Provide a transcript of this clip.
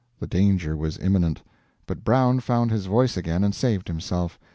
The danger was imminent, but Brown found his voice again and saved himself.